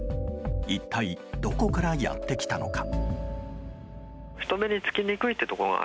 一体どこからやってきたのか。